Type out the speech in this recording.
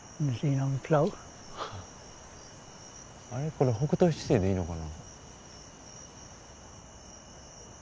これ北斗七星でいいのかな？